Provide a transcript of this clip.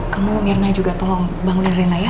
kamu mirna juga tolong bangunin rina ya